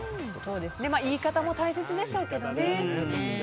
言い方も大切でしょうけどね。